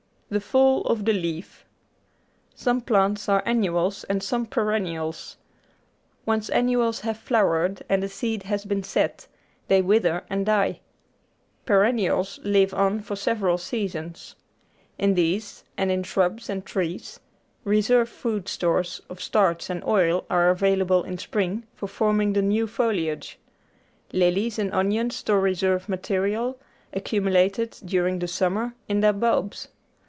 The Fall of the Leaf Some plants are annuals and some perennials. Once annuals have flowered and the seed has been set, they wither and die. Perennials live on for several seasons. In these, and in shrubs and trees, reserve food stores of starch and oil are available in spring for forming the new foliage. Lilies and onions store reserve material, accumulated during the summer, in their bulbs.